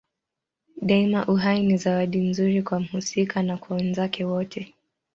Daima uhai ni zawadi nzuri kwa mhusika na kwa wenzake wote.